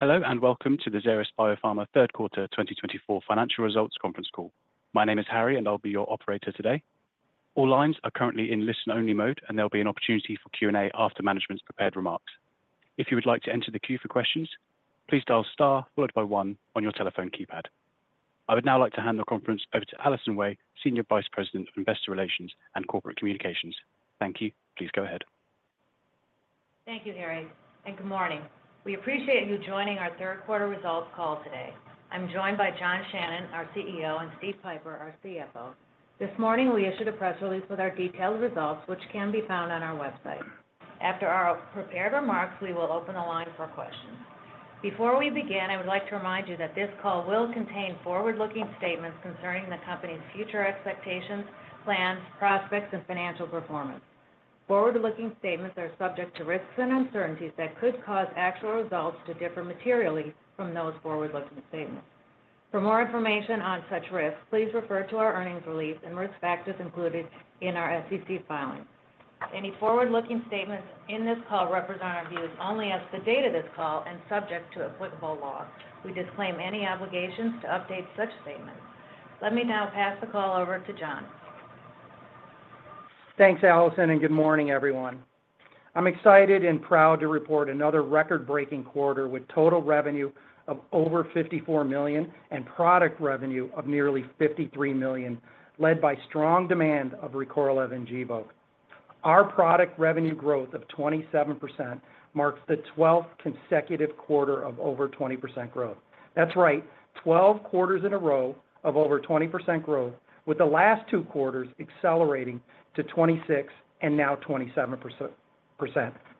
Hello and welcome to the Xeris Biopharma Third Quarter 2024 Financial Results Conference Call. My name is Harry, and I'll be your operator today. All lines are currently in listen-only mode, and there'll be an opportunity for Q&A after management's prepared remarks. If you would like to enter the queue for questions, please dial star followed by one on your telephone keypad. I would now like to hand the conference over to Allison Wey, Senior Vice President of Investor Relations and Corporate Communications. Thank you. Please go ahead. Thank you, Harry, and good morning. We appreciate you joining our third quarter results call today. I'm joined by John Shannon, our CEO, and Steve Pieper, our CFO. This morning, we issued a press release with our detailed results, which can be found on our website. After our prepared remarks, we will open the line for questions. Before we begin, I would like to remind you that this call will contain forward-looking statements concerning the company's future expectations, plans, prospects, and financial performance. Forward-looking statements are subject to risks and uncertainties that could cause actual results to differ materially from those forward-looking statements. For more information on such risks, please refer to our earnings release and risk factors included in our SEC filing. Any forward-looking statements in this call represent our views only as of the date of this call and subject to applicable law. We disclaim any obligations to update such statements. Let me now pass the call over to John. Thanks, Allison, and good morning, everyone. I'm excited and proud to report another record-breaking quarter with total revenue of over $54 million and product revenue of nearly $53 million, led by strong demand of Recorlev and Gvoke. Our product revenue growth of 27% marks the 12th consecutive quarter of over 20% growth. That's right, 12 quarters in a row of over 20% growth, with the last two quarters accelerating to 26% and now 27%,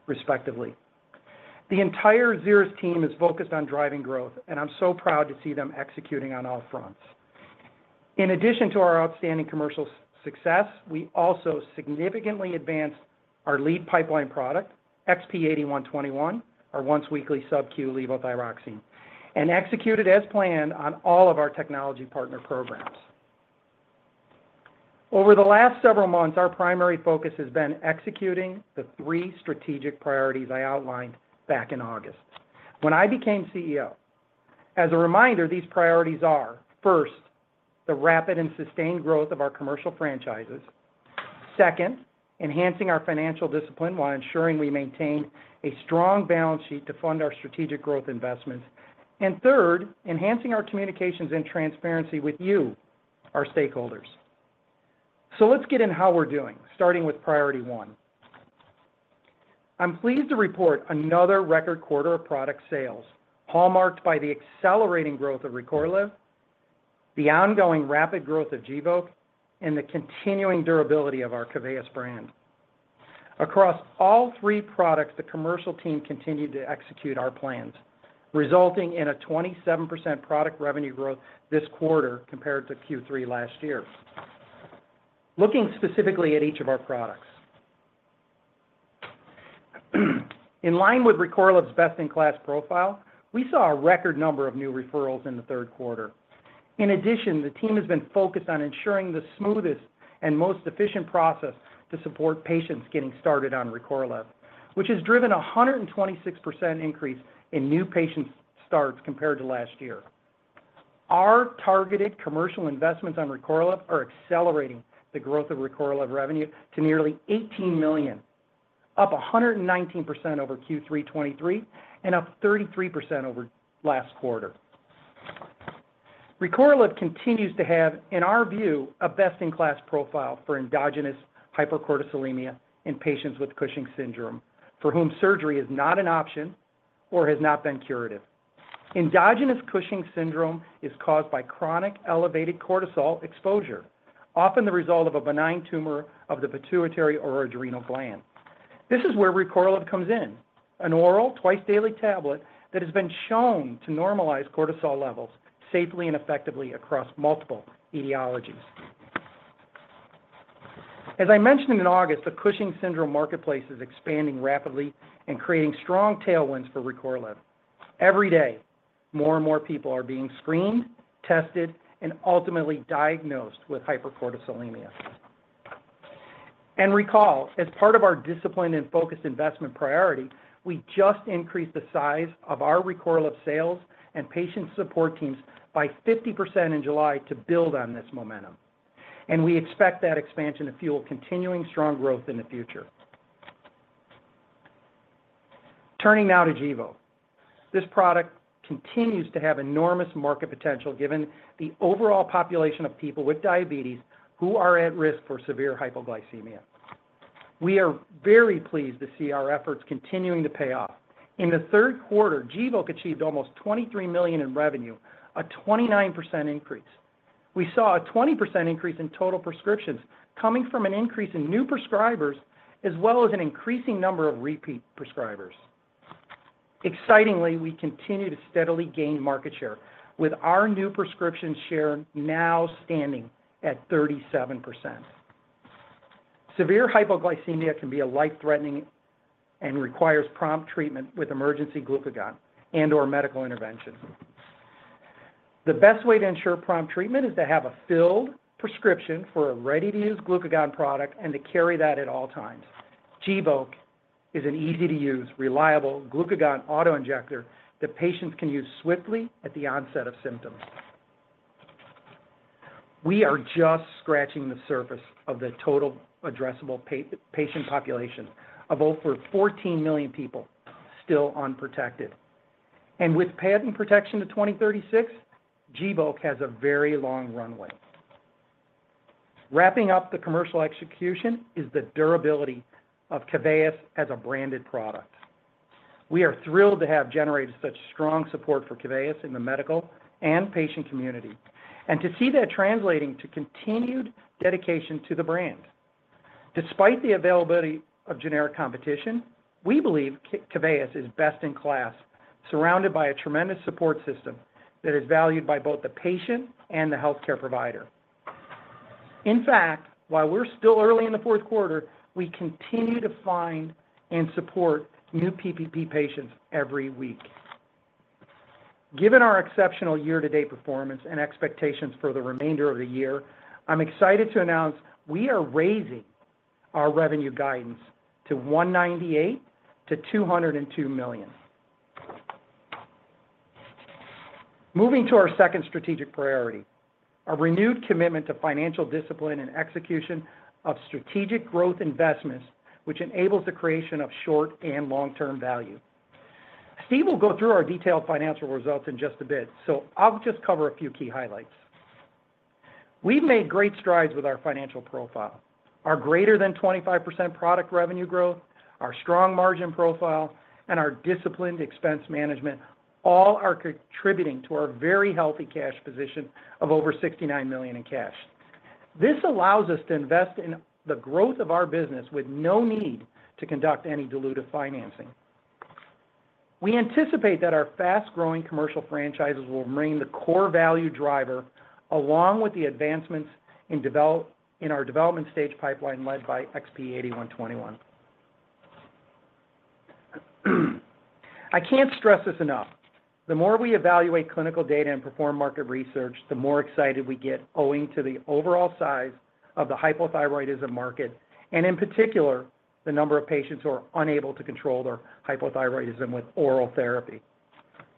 respectively. The entire Xeris team is focused on driving growth, and I'm so proud to see them executing on all fronts. In addition to our outstanding commercial success, we also significantly advanced our lead pipeline product, XP-8121, our once-weekly sub-Q levothyroxine, and executed as planned on all of our technology partner programs. Over the last several months, our primary focus has been executing the three strategic priorities I outlined back in August. When I became CEO, as a reminder, these priorities are first, the rapid and sustained growth of our commercial franchises. Second, enhancing our financial discipline while ensuring we maintain a strong balance sheet to fund our strategic growth investments. And third, enhancing our communications and transparency with you, our stakeholders. So let's get into how we're doing, starting with priority one. I'm pleased to report another record quarter of product sales, hallmarked by the accelerating growth of Recorlev, the ongoing rapid growth of Gvoke, and the continuing durability of our Keveyis brand. Across all three products, the commercial team continued to execute our plans, resulting in a 27% product revenue growth this quarter compared to Q3 last year. Looking specifically at each of our products, in line with Recorlev's best-in-class profile, we saw a record number of new referrals in the third quarter. In addition, the team has been focused on ensuring the smoothest and most efficient process to support patients getting started on Recorlev, which has driven a 126% increase in new patient starts compared to last year. Our targeted commercial investments on Recorlev are accelerating the growth of Recorlev revenue to nearly $18 million, up 119% over Q3 2023 and up 33% over last quarter. Recorlev continues to have, in our view, a best-in-class profile for endogenous hypercortisolemia in patients with Cushing's syndrome, for whom surgery is not an option or has not been curative. Endogenous Cushing's syndrome is caused by chronic elevated cortisol exposure, often the result of a benign tumor of the pituitary or adrenal gland. This is where Recorlev comes in, an oral twice-daily tablet that has been shown to normalize cortisol levels safely and effectively across multiple etiologies. As I mentioned in August, the Cushing's syndrome marketplace is expanding rapidly and creating strong tailwinds for Recorlev. Every day, more and more people are being screened, tested, and ultimately diagnosed with hypercortisolemia, and recall, as part of our discipline and focused investment priority, we just increased the size of our Recorlev sales and patient support teams by 50% in July to build on this momentum, and we expect that expansion to fuel continuing strong growth in the future. Turning now to Gvoke. This product continues to have enormous market potential given the overall population of people with diabetes who are at risk for severe hypoglycemia. We are very pleased to see our efforts continuing to pay off. In the third quarter, Gvoke achieved almost $23 million in revenue, a 29% increase. We saw a 20% increase in total prescriptions coming from an increase in new prescribers, as well as an increasing number of repeat prescribers. Excitingly, we continue to steadily gain market share, with our new prescription share now standing at 37%. Severe hypoglycemia can be a life-threatening condition and requires prompt treatment with emergency glucagon and/or medical intervention. The best way to ensure prompt treatment is to have a filled prescription for a ready-to-use glucagon product and to carry that at all times. Gvoke is an easy-to-use, reliable glucagon autoinjector that patients can use swiftly at the onset of symptoms. We are just scratching the surface of the total addressable patient population, of over 14 million people still unprotected, and with patent protection to 2036, Gvoke has a very long runway. Wrapping up the commercial execution is the durability of Keveyis as a branded product. We are thrilled to have generated such strong support for Keveyis in the medical and patient community and to see that translating to continued dedication to the brand. Despite the availability of generic competition, we believe Keveyis is best in class, surrounded by a tremendous support system that is valued by both the patient and the healthcare provider. In fact, while we're still early in the fourth quarter, we continue to find and support new PPP patients every week. Given our exceptional year-to-date performance and expectations for the remainder of the year, I'm excited to announce we are raising our revenue guidance to $198 million-$202 million. Moving to our second strategic priority, our renewed commitment to financial discipline and execution of strategic growth investments, which enables the creation of short and long-term value. Steve will go through our detailed financial results in just a bit, so I'll just cover a few key highlights. We've made great strides with our financial profile. Our greater-than-25% product revenue growth, our strong margin profile, and our disciplined expense management all are contributing to our very healthy cash position of over $69 million in cash. This allows us to invest in the growth of our business with no need to conduct any diluted financing. We anticipate that our fast-growing commercial franchises will remain the core value driver, along with the advancements in our development stage pipeline led by XP-8121. I can't stress this enough. The more we evaluate clinical data and perform market research, the more excited we get, owing to the overall size of the hypothyroidism market and, in particular, the number of patients who are unable to control their hypothyroidism with oral therapy.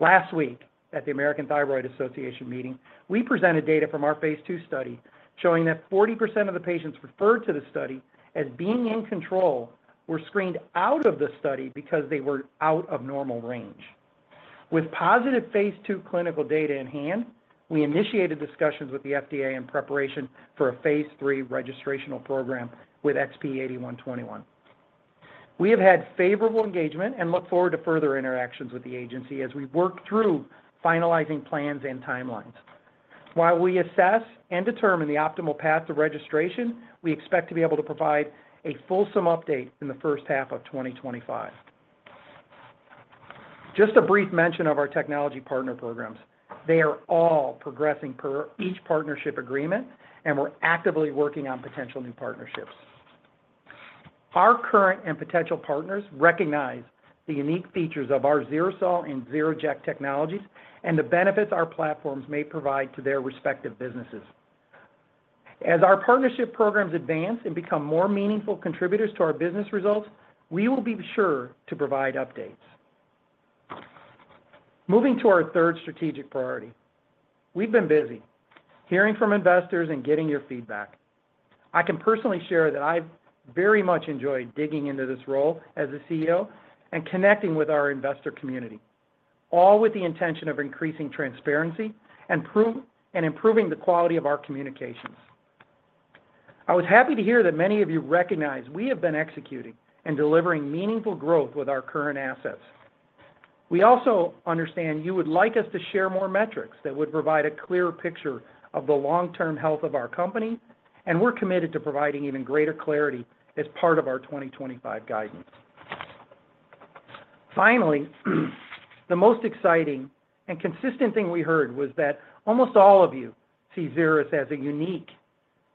Last week, at the American Thyroid Association meeting, we presented data from our phase two study showing that 40% of the patients referred to the study as being in control were screened out of the study because they were out of normal range. With positive phase two clinical data in hand, we initiated discussions with the FDA in preparation for a phase three registration program with XP-8121. We have had favorable engagement and look forward to further interactions with the agency as we work through finalizing plans and timelines. While we assess and determine the optimal path to registration, we expect to be able to provide a fulsome update in the first half of 2025. Just a brief mention of our technology partner programs. They are all progressing per each partnership agreement, and we're actively working on potential new partnerships. Our current and potential partners recognize the unique features of our XeriSol and XeriJect Technologies and the benefits our platforms may provide to their respective businesses. As our partnership programs advance and become more meaningful contributors to our business results, we will be sure to provide updates. Moving to our third strategic priority, we've been busy hearing from investors and getting your feedback. I can personally share that I've very much enjoyed digging into this role as the CEO and connecting with our investor community, all with the intention of increasing transparency and improving the quality of our communications. I was happy to hear that many of you recognize we have been executing and delivering meaningful growth with our current assets. We also understand you would like us to share more metrics that would provide a clearer picture of the long-term health of our company, and we're committed to providing even greater clarity as part of our 2025 guidance. Finally, the most exciting and consistent thing we heard was that almost all of you see Xeris as a unique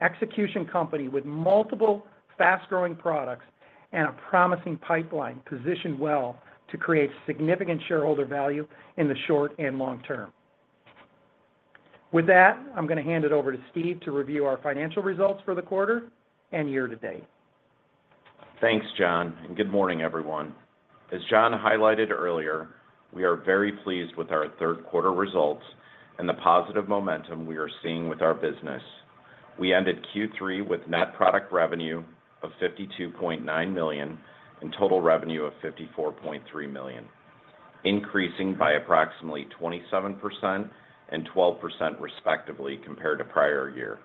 execution company with multiple fast-growing products and a promising pipeline positioned well to create significant shareholder value in the short and long term. With that, I'm going to hand it over to Steve to review our financial results for the quarter and year-to-date. Thanks, John, and good morning, everyone. As John highlighted earlier, we are very pleased with our third quarter results and the positive momentum we are seeing with our business. We ended Q3 with net product revenue of $52.9 million and total revenue of $54.3 million, increasing by approximately 27% and 12%, respectively, compared to prior year.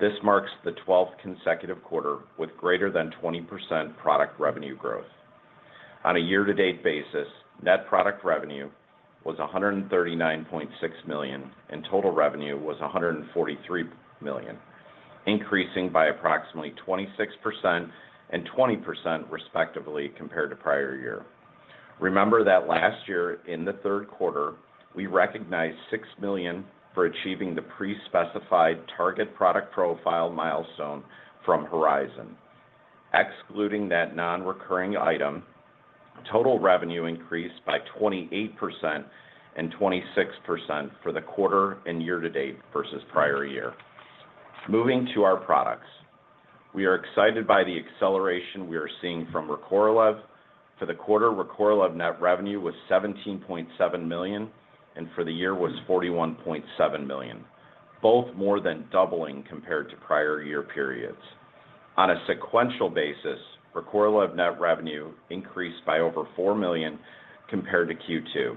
This marks the 12th consecutive quarter with greater than 20% product revenue growth. On a year-to-date basis, net product revenue was $139.6 million and total revenue was $143 million, increasing by approximately 26% and 20%, respectively, compared to prior year. Remember that last year, in the third quarter, we recognized $6 million for achieving the pre-specified target product profile milestone from Horizon. Excluding that non-recurring item, total revenue increased by 28% and 26% for the quarter and year-to-date versus prior year. Moving to our products, we are excited by the acceleration we are seeing from Recorlev. For the quarter, Recorlev net revenue was $17.7 million, and for the year, it was $41.7 million, both more than doubling compared to prior year periods. On a sequential basis, Recorlev net revenue increased by over $4 million compared to Q2.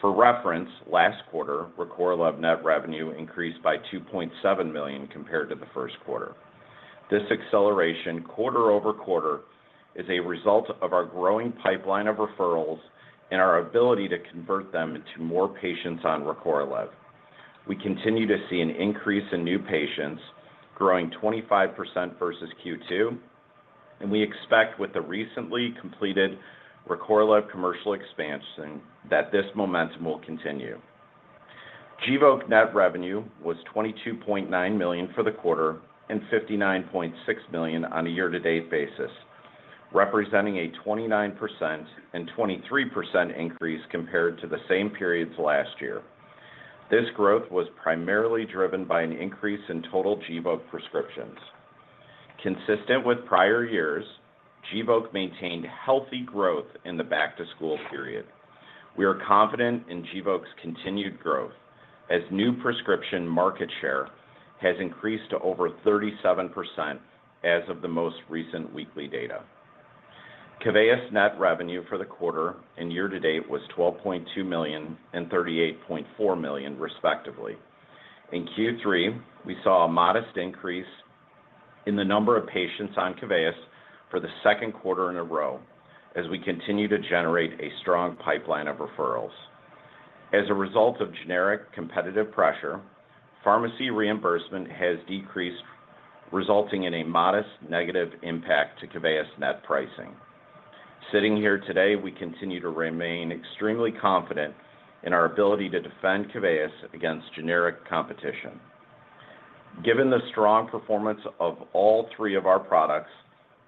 For reference, last quarter, Recorlev net revenue increased by $2.7 million compared to the first quarter. This acceleration, quarter over quarter, is a result of our growing pipeline of referrals and our ability to convert them into more patients on Recorlev. We continue to see an increase in new patients, growing 25% versus Q2, and we expect, with the recently completed Recorlev commercial expansion, that this momentum will continue. Gvoke net revenue was $22.9 million for the quarter and $59.6 million on a year-to-date basis, representing a 29% and 23% increase compared to the same periods last year. This growth was primarily driven by an increase in total Gvoke prescriptions. Consistent with prior years, Gvoke maintained healthy growth in the back-to-school period. We are confident in Gvoke's continued growth as new prescription market share has increased to over 37% as of the most recent weekly data. Keveyis's net revenue for the quarter and year-to-date was $12.2 million and $38.4 million, respectively. In Q3, we saw a modest increase in the number of patients on Keveyis for the second quarter in a row as we continue to generate a strong pipeline of referrals. As a result of generic competitive pressure, pharmacy reimbursement has decreased, resulting in a modest negative impact to Keveyis's net pricing. Sitting here today, we continue to remain extremely confident in our ability to defend Keveyis against generic competition. Given the strong performance of all three of our products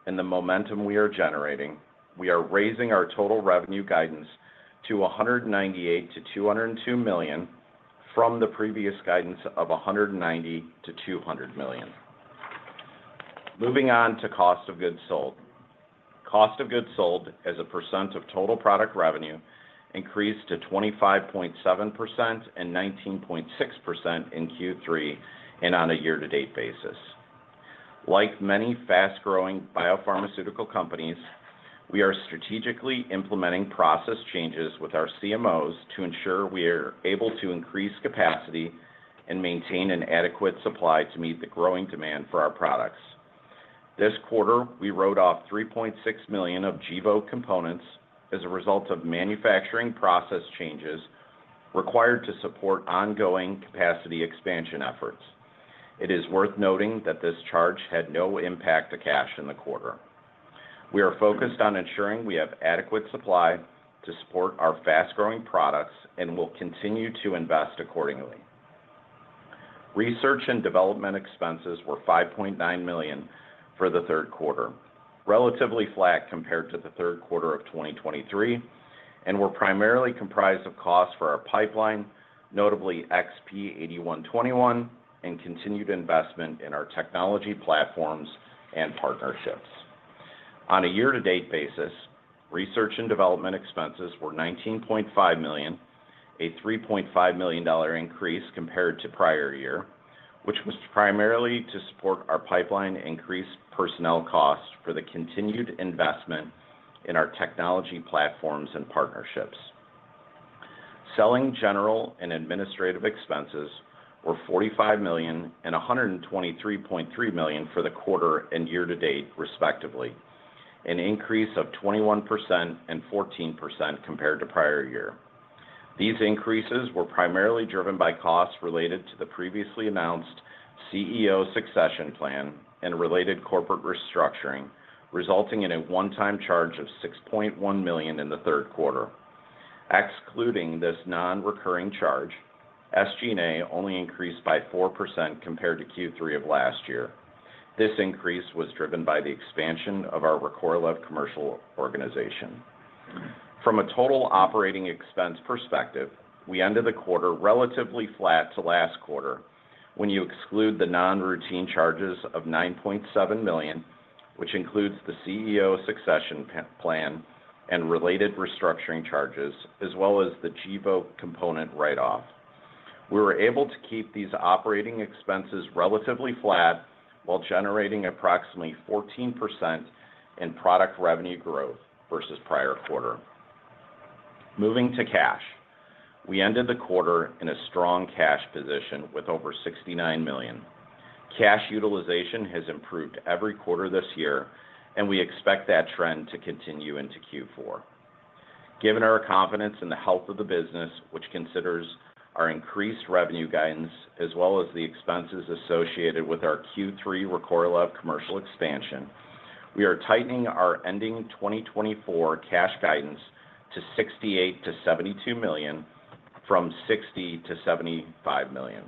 and the momentum we are generating, we are raising our total revenue guidance to $198 million-$202 million from the previous guidance of $190 million-$200 million. Moving on to cost of goods sold. Cost of goods sold as a percent of total product revenue increased to 25.7% and 19.6% in Q3 and on a year-to-date basis. Like many fast-growing biopharmaceutical companies, we are strategically implementing process changes with our CMOs to ensure we are able to increase capacity and maintain an adequate supply to meet the growing demand for our products. This quarter, we wrote off $3.6 million of Gvoke components as a result of manufacturing process changes required to support ongoing capacity expansion efforts. It is worth noting that this charge had no impact to cash in the quarter. We are focused on ensuring we have adequate supply to support our fast-growing products and will continue to invest accordingly. Research and development expenses were $5.9 million for the third quarter, relatively flat compared to the third quarter of 2023, and were primarily comprised of costs for our pipeline, notably XP-8121, and continued investment in our technology platforms and partnerships. On a year-to-date basis, research and development expenses were $19.5 million, a $3.5 million increase compared to prior year, which was primarily to support our pipeline, increased personnel costs for the continued investment in our technology platforms and partnerships. Selling general and administrative expenses were $45 million and $123.3 million for the quarter and year-to-date, respectively, an increase of 21% and 14% compared to prior year. These increases were primarily driven by costs related to the previously announced CEO succession plan and related corporate restructuring, resulting in a one-time charge of $6.1 million in the third quarter. Excluding this non-recurring charge, SG&A only increased by 4% compared to Q3 of last year. This increase was driven by the expansion of our Recorlev commercial organization. From a total operating expense perspective, we ended the quarter relatively flat to last quarter when you exclude the non-routine charges of $9.7 million, which includes the CEO succession plan and related restructuring charges, as well as the Gvoke component write-off. We were able to keep these operating expenses relatively flat while generating approximately 14% in product revenue growth versus prior quarter. Moving to cash, we ended the quarter in a strong cash position with over $69 million. Cash utilization has improved every quarter this year, and we expect that trend to continue into Q4. Given our confidence in the health of the business, which considers our increased revenue guidance as well as the expenses associated with our Q3 Recorlev commercial expansion, we are tightening our ending 2024 cash guidance to $68 million-$72 million, from $60 million-$75 million.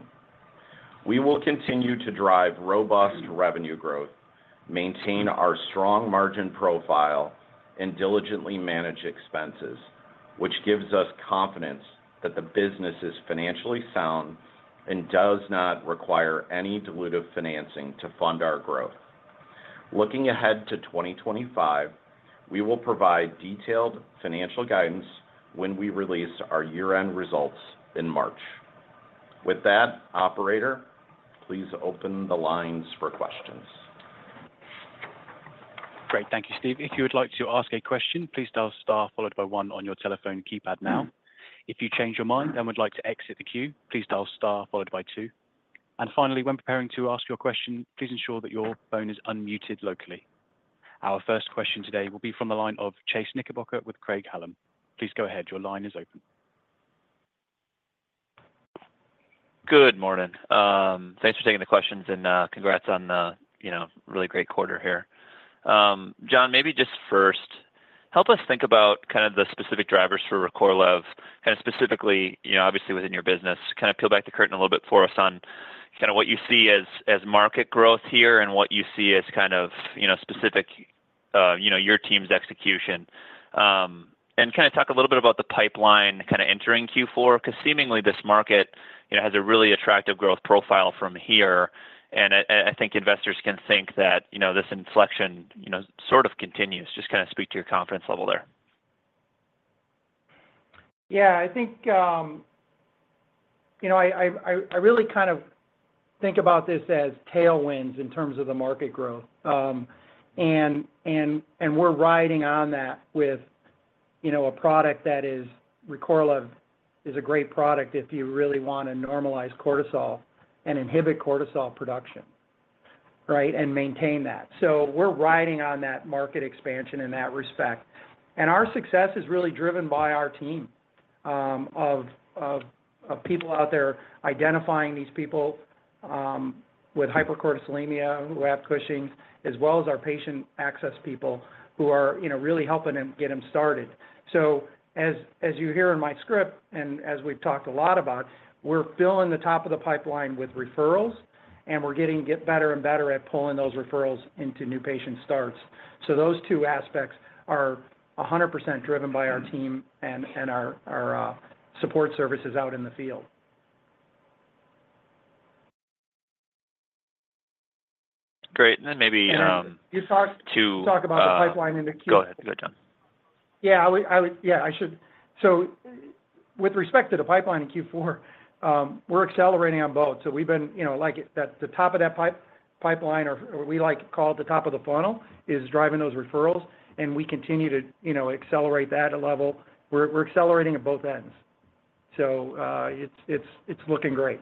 We will continue to drive robust revenue growth, maintain our strong margin profile, and diligently manage expenses, which gives us confidence that the business is financially sound and does not require any diluted financing to fund our growth. Looking ahead to 2025, we will provide detailed financial guidance when we release our year-end results in March. With that, Operator, please open the lines for questions. Great. Thank you, Steve. If you would like to ask a question, please dial star followed by one on your telephone keypad now. If you change your mind and would like to exit the queue, please dial star followed by two. And finally, when preparing to ask your question, please ensure that your phone is unmuted locally. Our first question today will be from the line of Chase Knickerbocker with Craig-Hallum. Please go ahead. Your line is open. Good morning. Thanks for taking the questions and congrats on a really great quarter here. John, maybe just first, help us think about kind of the specific drivers for Recorlev, kind of specifically, obviously, within your business. Kind of peel back the curtain a little bit for us on kind of what you see as market growth here and what you see as kind of specific your team's execution. And kind of talk a little bit about the pipeline kind of entering Q4, because seemingly this market has a really attractive growth profile from here. And I think investors can think that this inflection sort of continues. Just kind of speak to your confidence level there. Yeah. I think I really kind of think about this as tailwinds in terms of the market growth. And we're riding on that with a product that is Recorlev is a great product if you really want to normalize cortisol and inhibit cortisol production, right, and maintain that. So we're riding on that market expansion in that respect. And our success is really driven by our team of people out there identifying these people with hypercortisolemia, who have Cushing's, as well as our patient access people who are really helping them get them started. So as you hear in my script and as we've talked a lot about, we're filling the top of the pipeline with referrals, and we're getting better and better at pulling those referrals into new patient starts. So those two aspects are 100% driven by our team and our support services out in the field. Great. And then maybe. You talked about the pipeline in the Q. Go ahead. Go ahead, John. Yeah. Yeah. So with respect to the pipeline in Q4, we're accelerating on both. So we've been like the top of that pipeline, or we like to call it the top of the funnel, is driving those referrals. And we continue to accelerate that level. We're accelerating at both ends. So it's looking great.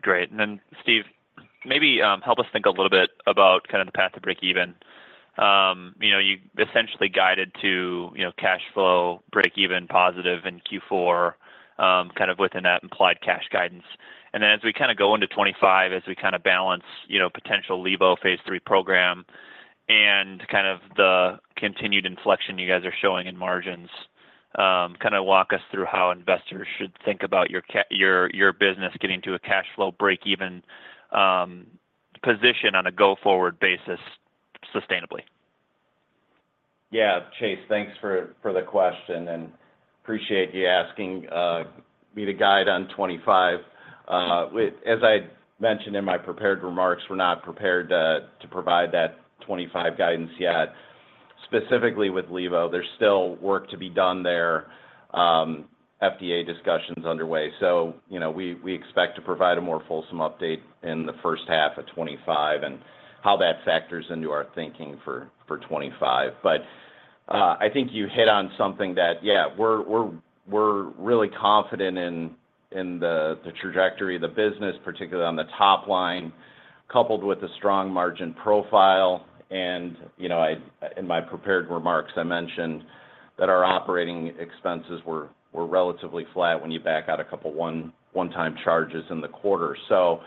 Great. And then, Steve, maybe help us think a little bit about kind of the path to break-even. You essentially guided to cash flow break-even positive in Q4, kind of within that implied cash guidance. And then as we kind of go into 2025, as we kind of balance potential LEVO phase three program and kind of the continued inflection you guys are showing in margins, kind of walk us through how investors should think about your business getting to a cash flow break-even position on a go-forward basis sustainably. Yeah. Chase, thanks for the question and appreciate you asking me to guide on 2025. As I mentioned in my prepared remarks, we're not prepared to provide that 2025 guidance yet. Specifically with LEVO, there's still work to be done there. FDA discussions underway, so we expect to provide a more fulsome update in the first half of 2025 and how that factors into our thinking for 2025, but I think you hit on something that, yeah, we're really confident in the trajectory of the business, particularly on the top line, coupled with a strong margin profile, and in my prepared remarks, I mentioned that our operating expenses were relatively flat when you back out a couple of one-time charges in the quarter, so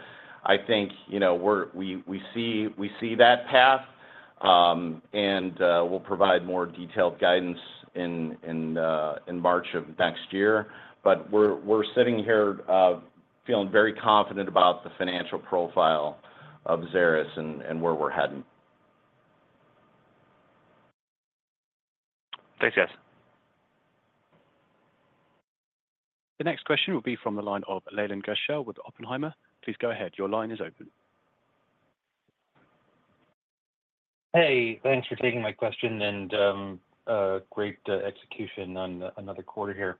I think we see that path, and we'll provide more detailed guidance in March of next year. But we're sitting here feeling very confident about the financial profile of Xeris and where we're heading. Thanks, guys. The next question will be from the line of Leland Gershell with Oppenheimer. Please go ahead. Your line is open. Hey. Thanks for taking my question and great execution on another quarter here.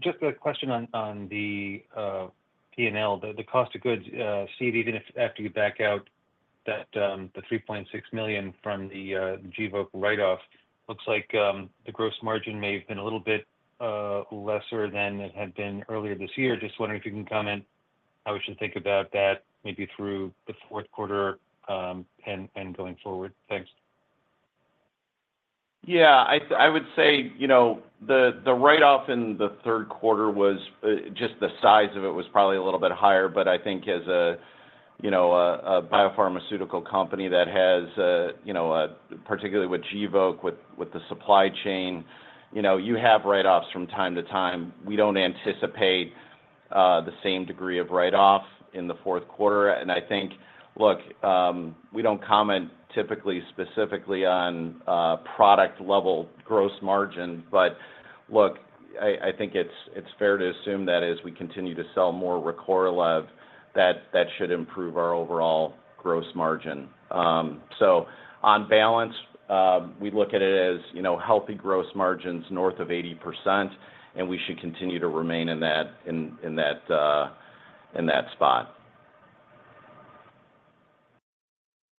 Just a question on the P&L, the cost of goods. Steve, even after you back out the $3.6 million from the Gvoke write-off, looks like the gross margin may have been a little bit lesser than it had been earlier this year. Just wondering if you can comment how we should think about that maybe through the fourth quarter and going forward. Thanks. Yeah. I would say the write-off in the third quarter was just the size of it was probably a little bit higher. But I think as a biopharmaceutical company that has particularly with Gvoke, with the supply chain, you have write-offs from time to time. We don't anticipate the same degree of write-off in the fourth quarter. And I think, look, we don't comment typically specifically on product-level gross margin. But look, I think it's fair to assume that as we continue to sell more Recorlev, that should improve our overall gross margin. So on balance, we look at it as healthy gross margins north of 80%, and we should continue to remain in that spot.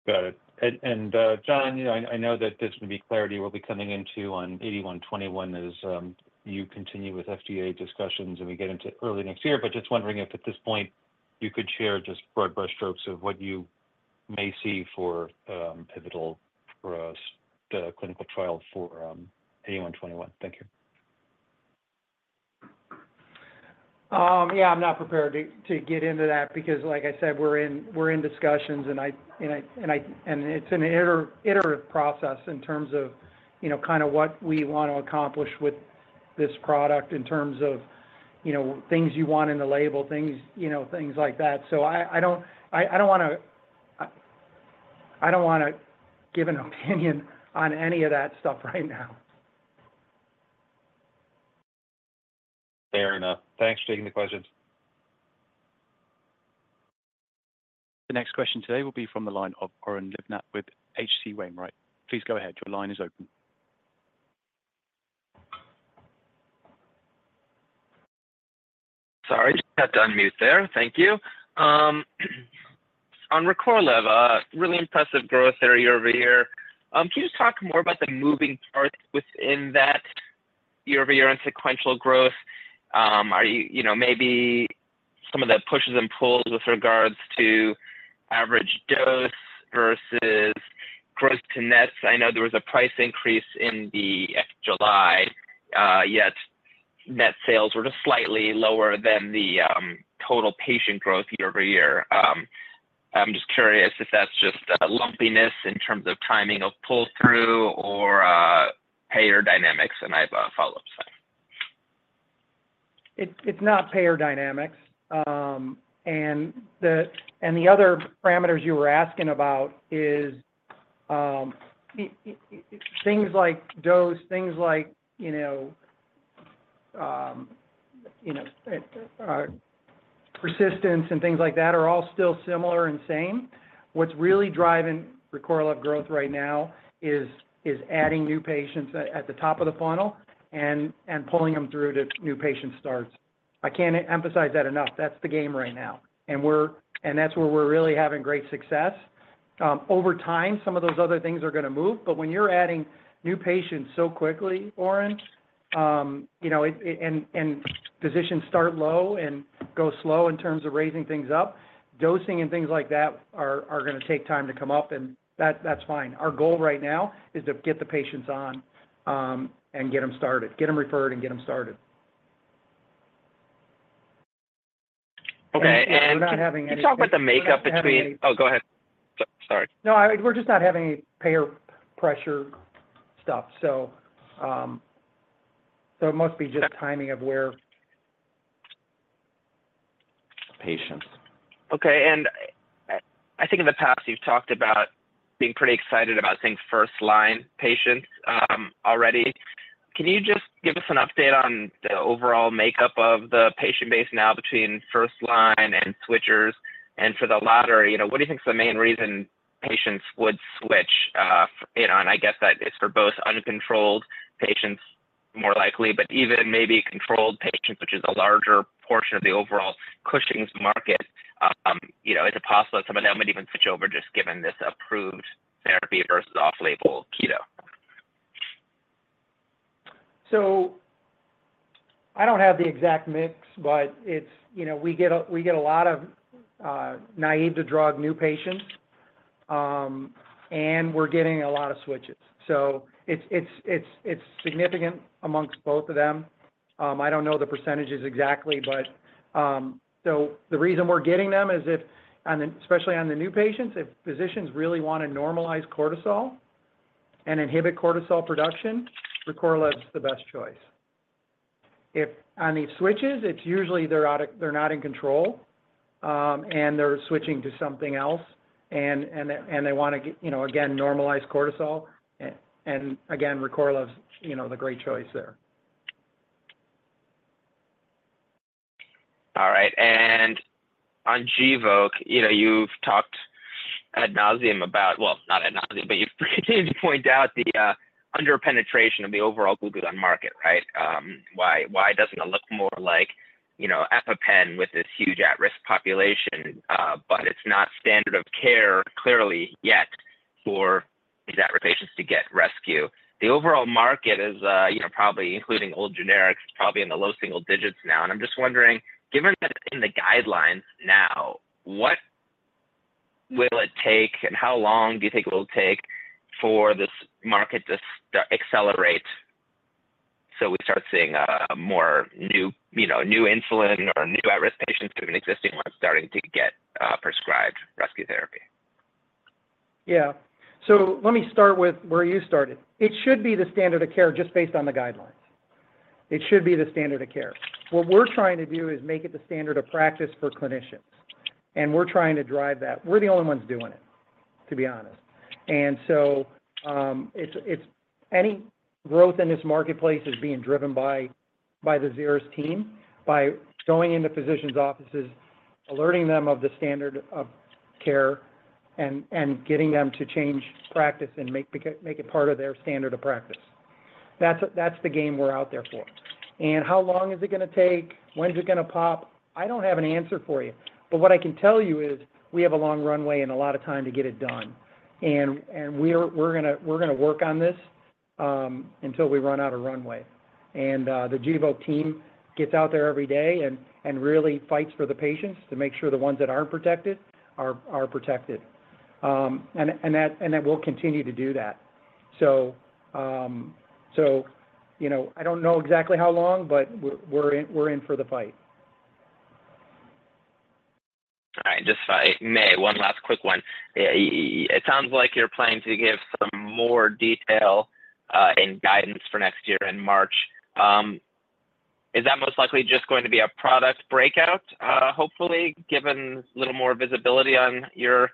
Got it. And John, I know that this will be clarity we'll be coming into on XP-8121 as you continue with FDA discussions and we get into early next year. But just wondering if at this point you could share just broad brush strokes of what you may see for pivotal for the clinical trial for XP-8121? Thank you. Yeah. I'm not prepared to get into that because, like I said, we're in discussions, and it's an iterative process in terms of kind of what we want to accomplish with this product in terms of things you want in the label, things like that. So I don't want to give an opinion on any of that stuff right now. Fair enough. Thanks for taking the questions. The next question today will be from the line of Oren Livnat with H.C. Wainwright, right? Please go ahead. Your line is open. Sorry. I just had to unmute there. Thank you. On Recorlev, really impressive growth year over year. Can you talk more about the moving parts within that year-over-year and sequential growth? Maybe some of the pushes and pulls with regards to average dose versus gross to nets. I know there was a price increase in July, yet net sales were just slightly lower than the total patient growth year over year. I'm just curious if that's just lumpiness in terms of timing of pull-through or payer dynamics, and I have follow-ups. It's not payer dynamics, and the other parameters you were asking about is things like dose, things like persistence, and things like that are all still similar and same. What's really driving Recorlev growth right now is adding new patients at the top of the funnel and pulling them through to new patient starts. I can't emphasize that enough. That's the game right now, and that's where we're really having great success. Over time, some of those other things are going to move, but when you're adding new patients so quickly, Oren, and physicians start low and go slow in terms of raising things up, dosing and things like that are going to take time to come up, and that's fine. Our goal right now is to get the patients on and get them started, get them referred, and get them started. Okay. And. We're not having any pain. Can you talk about the makeup between? Oh, go ahead. Sorry. No, we're just not having any payer pressure stuff. So it must be just timing of where. Patience. Okay. And I think in the past, you've talked about being pretty excited about seeing first-line patients already. Can you just give us an update on the overall makeup of the patient base now between first-line and switchers? And for the latter, what do you think is the main reason patients would switch? And I guess that is for both uncontrolled patients more likely, but even maybe controlled patients, which is a larger portion of the overall Cushing's market. Is it possible that somebody might even switch over just given this approved therapy versus off-label keto? So I don't have the exact mix, but we get a lot of naive to drug new patients, and we're getting a lot of switches. So it's significant among both of them. I don't know the percentages exactly, but so the reason we're getting them is, especially on the new patients, if physicians really want to normalize cortisol and inhibit cortisol production, Recorlev is the best choice. On these switches, it's usually they're not in control, and they're switching to something else, and they want to, again, normalize cortisol. And again, Recorlev is the great choice there. All right. And on Gvoke, you've talked ad nauseam about, well, not ad nauseam, but you point out the underpenetration of the overall glucagon market, right? Why doesn't it look more like EpiPen with this huge at-risk population, but it's not standard of care clearly yet for these at-risk patients to get rescue? The overall market is probably, including old generics, probably in the low single digits now. And I'm just wondering, given that in the guidelines now, what will it take, and how long do you think it will take for this market to accelerate so we start seeing more new insulin or new at-risk patients from existing ones starting to get prescribed rescue therapy? Yeah. So let me start with where you started. It should be the standard of care just based on the guidelines. It should be the standard of care. What we're trying to do is make it the standard of practice for clinicians. And we're trying to drive that. We're the only ones doing it, to be honest. And so any growth in this marketplace is being driven by the Xeris team, by going into physicians' offices, alerting them of the standard of care, and getting them to change practice and make it part of their standard of practice. That's the game we're out there for. And how long is it going to take? When's it going to pop? I don't have an answer for you. But what I can tell you is we have a long runway and a lot of time to get it done. We're going to work on this until we run out of runway. The Gvoke team gets out there every day and really fights for the patients to make sure the ones that aren't protected are protected. We'll continue to do that. I don't know exactly how long, but we're in for the fight. All right. Just May, one last quick one. It sounds like you're planning to give some more detail and guidance for next year in March. Is that most likely just going to be a product breakout, hopefully, given a little more visibility on your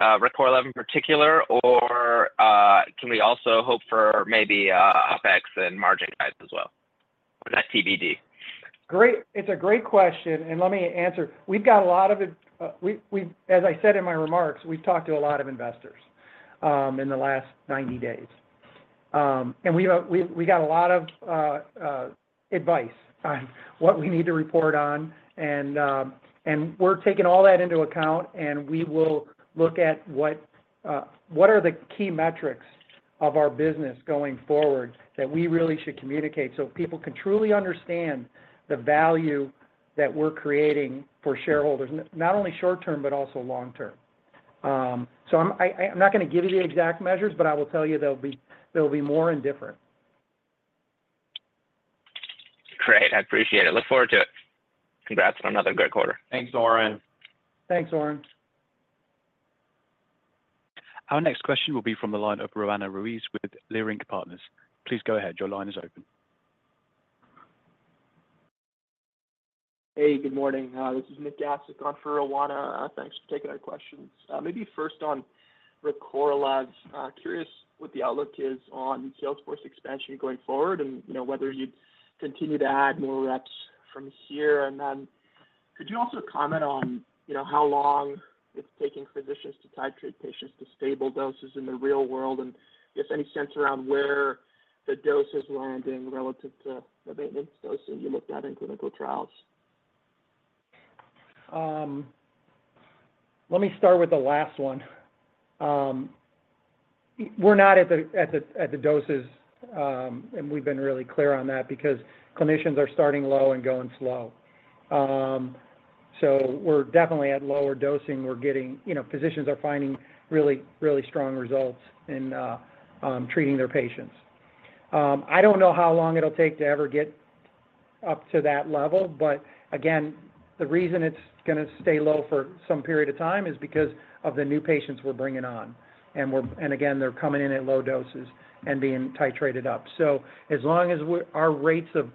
Recorlev in particular? Or can we also hope for maybe OpEx and margin guides as well or that TBD? Great. It's a great question, and let me answer. We've got a lot of it. As I said in my remarks, we've talked to a lot of investors in the last 90 days, and we got a lot of advice on what we need to report on, and we're taking all that into account, and we will look at what are the key metrics of our business going forward that we really should communicate so people can truly understand the value that we're creating for shareholders, not only short-term, but also long-term. So I'm not going to give you the exact measures, but I will tell you there'll be more and different. Great. I appreciate it. Look forward to it. Congrats on another great quarter. Thanks, Oren. Thanks, Oren. Our next question will be from the line of Roanna Ruiz with Leerink Partners. Please go ahead. Your line is open. Hey, good morning. This is Nik Gasic on for Roanna. Thanks for taking our questions. Maybe first on Recorlev, curious what the outlook is on sales force expansion going forward and whether you'd continue to add more reps from here. And then could you also comment on how long it's taking physicians to titrate patients to stable doses in the real world? And if any sense around where the dose is landing relative to the maintenance dose that you looked at in clinical trials? Let me start with the last one. We're not at the doses, and we've been really clear on that because clinicians are starting low and going slow. So we're definitely at lower dosing. Physicians are finding really, really strong results in treating their patients. I don't know how long it'll take to ever get up to that level. But again, the reason it's going to stay low for some period of time is because of the new patients we're bringing on. And again, they're coming in at low doses and being titrated up. So as long as our rates of,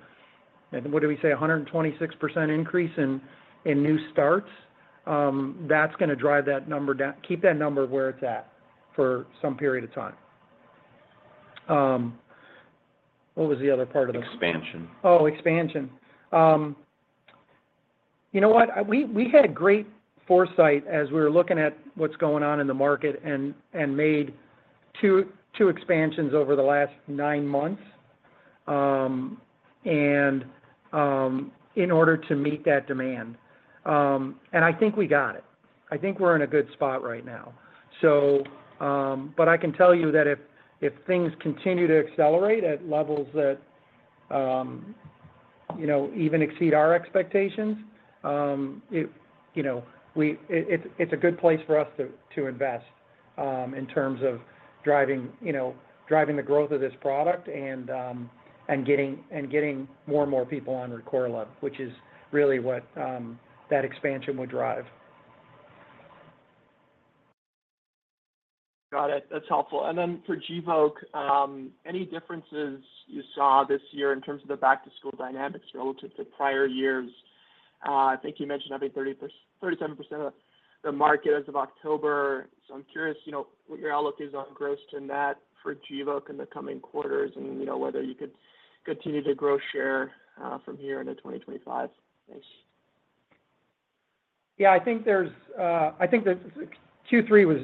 what do we say, 126% increase in new starts, that's going to drive that number down, keep that number where it's at for some period of time. What was the other part of the? Expansion. Oh, expansion. You know what? We had great foresight as we were looking at what's going on in the market and made two expansions over the last nine months in order to meet that demand. And I think we got it. I think we're in a good spot right now. But I can tell you that if things continue to accelerate at levels that even exceed our expectations, it's a good place for us to invest in terms of driving the growth of this product and getting more and more people on Recorlev, which is really what that expansion would drive. Got it. That's helpful. And then for Gvoke, any differences you saw this year in terms of the back-to-school dynamics relative to prior years? I think you mentioned having 37% of the market as of October. So I'm curious what your outlook is on gross to net for Gvoke in the coming quarters and whether you could continue to grow share from here into 2025. Thanks. Yeah. I think the Q3 was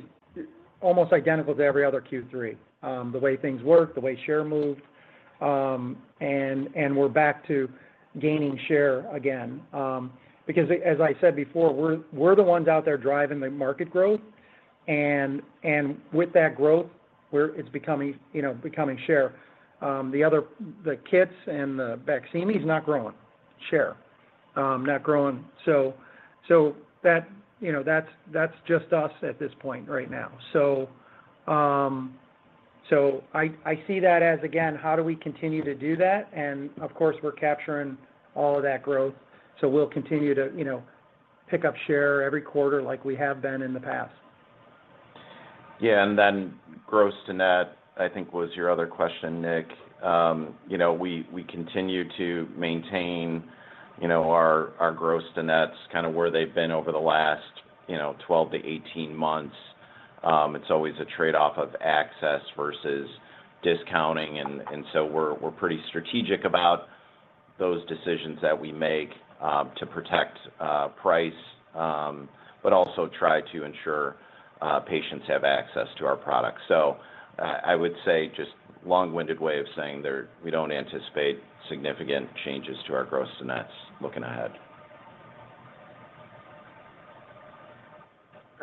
almost identical to every other Q3, the way things worked, the way share moved, and we're back to gaining share again, because as I said before, we're the ones out there driving the market growth, and with that growth, it's becoming share. The kits and the Baqsimi, he's not growing share, not growing, so that's just us at this point right now, so I see that as, again, how do we continue to do that, and of course, we're capturing all of that growth, so we'll continue to pick up share every quarter like we have been in the past. Yeah. And then gross to net, I think was your other question, Nik. We continue to maintain our gross to nets kind of where they've been over the last 12-18 months. It's always a trade-off of access versus discounting. And so we're pretty strategic about those decisions that we make to protect price, but also try to ensure patients have access to our product. So I would say just long-winded way of saying we don't anticipate significant changes to our gross to nets looking ahead.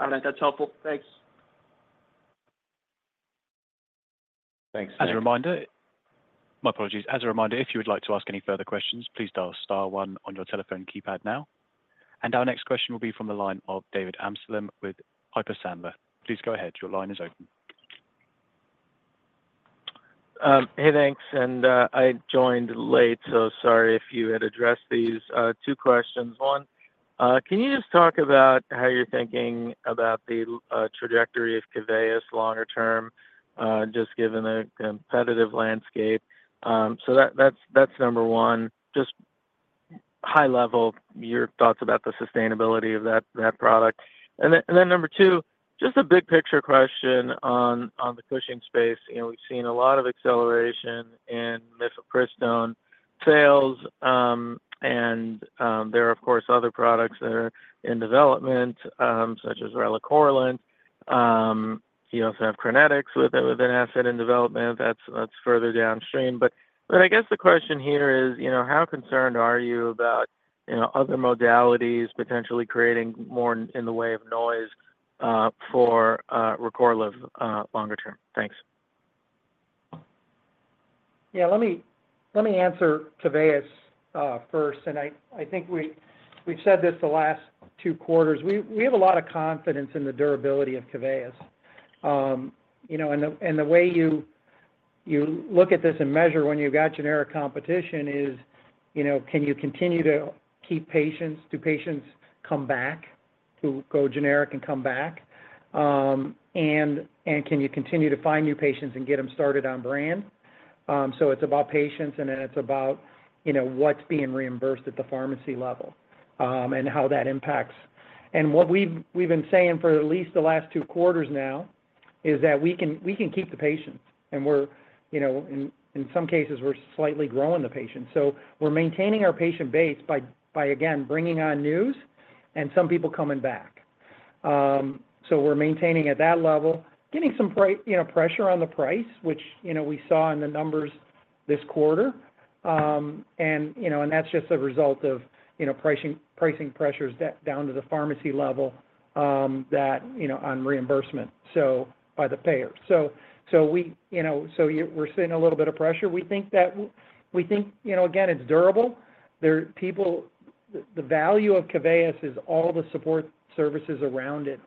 All right. That's helpful. Thanks. Thanks, Nik. As a reminder, my apologies. If you would like to ask any further questions, please dial star one on your telephone keypad now. Our next question will be from the line of David Amsellem with Piper Sandler. Please go ahead. Your line is open. Hey, thanks. And I joined late, so sorry if you had addressed these two questions. One, can you just talk about how you're thinking about the trajectory of Keveyis longer term, just given the competitive landscape? So that's number one. Just high level, your thoughts about the sustainability of that product. And then number two, just a big picture question on the Cushing space. We've seen a lot of acceleration in mifepristone sales. And there are, of course, other products that are in development, such as relacorilant. You also have Crinetics with an asset in development. That's further downstream. But I guess the question here is, how concerned are you about other modalities potentially creating more in the way of noise for Recorlev longer term? Thanks. Yeah. Let me answer Keveyis first. I think we've said this the last two quarters. We have a lot of confidence in the durability of Keveyis. The way you look at this and measure when you've got generic competition is, can you continue to keep patients? Do patients come back to go generic and come back? Can you continue to find new patients and get them started on brand? It's about patience, and then it's about what's being reimbursed at the pharmacy level and how that impacts. What we've been saying for at least the last two quarters now is that we can keep the patients. In some cases, we're slightly growing the patients. We're maintaining our patient base by, again, bringing on new and some people coming back. So we're maintaining at that level, getting some pressure on the price, which we saw in the numbers this quarter. And that's just a result of pricing pressures down to the pharmacy level on reimbursement by the payer. So we're seeing a little bit of pressure. We think that, again, it's durable. The value of Keveyis is all the support services around it.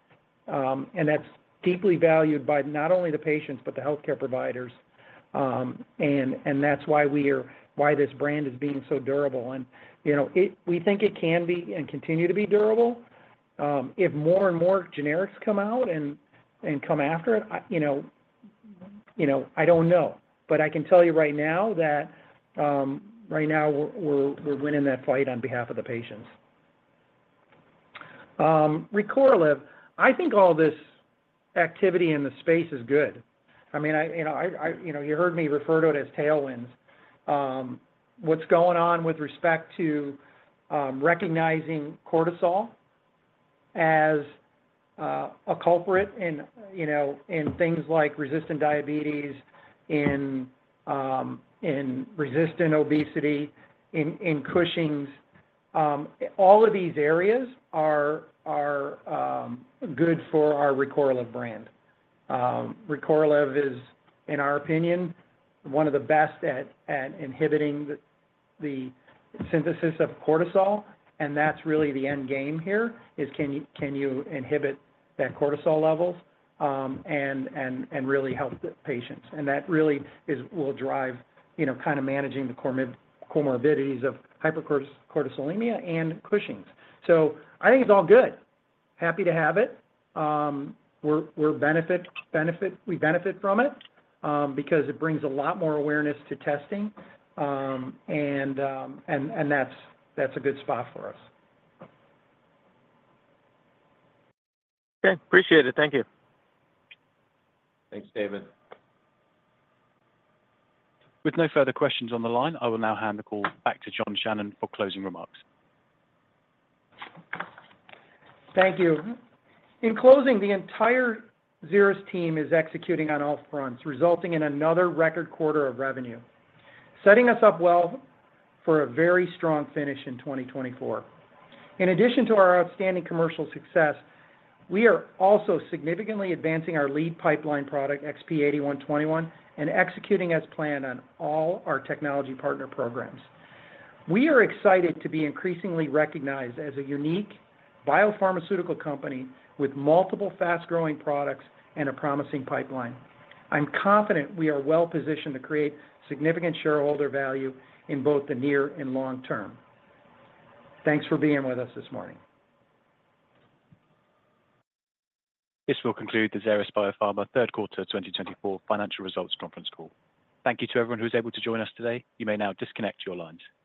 And that's deeply valued by not only the patients, but the healthcare providers. And that's why this brand is being so durable. And we think it can be and continue to be durable if more and more generics come out and come after it. I don't know. But I can tell you right now that right now, we're winning that fight on behalf of the patients. Recorlev, I think all this activity in the space is good. I mean, you heard me refer to it as tailwinds. What's going on with respect to recognizing cortisol as a culprit in things like resistant diabetes, in resistant obesity, in Cushing's? All of these areas are good for our Recorlev brand. Recorlev is, in our opinion, one of the best at inhibiting the synthesis of cortisol. And that's really the end game here is can you inhibit that cortisol levels and really help the patients? And that really will drive kind of managing the comorbidities of hypercortisolemia and Cushing's. So I think it's all good. Happy to have it. We benefit from it because it brings a lot more awareness to testing. And that's a good spot for us. Okay. Appreciate it. Thank you. Thanks, David. With no further questions on the line, I will now hand the call back to John Shannon for closing remarks. Thank you. In closing, the entire Xeris team is executing on all fronts, resulting in another record quarter of revenue, setting us up well for a very strong finish in 2024. In addition to our outstanding commercial success, we are also significantly advancing our lead pipeline product, XP-8121, and executing as planned on all our technology partner programs. We are excited to be increasingly recognized as a unique biopharmaceutical company with multiple fast-growing products and a promising pipeline. I'm confident we are well-positioned to create significant shareholder value in both the near and long term. Thanks for being with us this morning. This will conclude the Xeris Biopharma Third Quarter 2024 Financial Results Conference Call. Thank you to everyone who was able to join us today. You may now disconnect your lines.